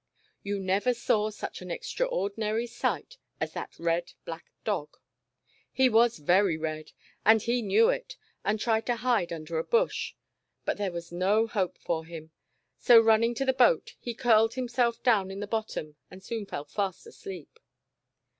You never saw such an extraordinary sight as that red black dog. He was very red, and he knew it, and tried to hide under a bush, but there was no hope for him, so running to the boat he curled himself down in the bottom and soon fell fast asleep.